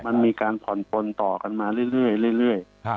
มันมีการผ่อนปนต่อกันมาเรื่อยเรื่อยเรื่อยครับ